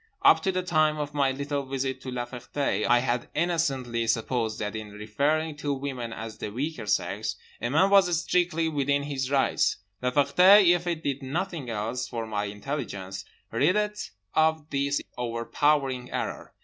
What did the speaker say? Up to the time of my little visit to La Ferté I had innocently supposed that in referring to women as "the weaker sex" a man was strictly within his rights. La Ferté, if it did nothing else for my intelligence, rid it of this overpowering error.